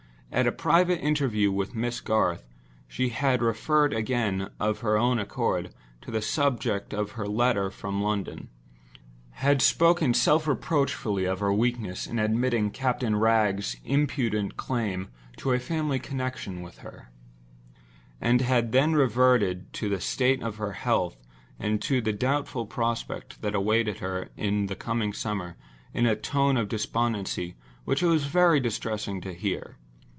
At a private interview with Miss Garth she had referred again, of her own accord, to the subject of her letter from London—had spoken self reproachfully of her weakness in admitting Captain Wragge's impudent claim to a family connection with her—and had then reverted to the state of her health and to the doubtful prospect that awaited her in the coming summer in a tone of despondency which it was very distressing to hear.